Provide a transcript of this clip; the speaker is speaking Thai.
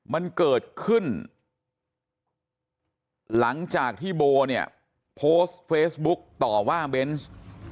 มันเกิดขึ้นหลังจากที่โบเนี่ยโพสต์เฟซบุ๊กต่อว่าเบนส์